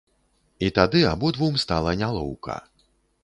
І тады абодвум стала нялоўка.